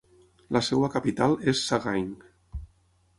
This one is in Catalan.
La seva capital és Sagaing.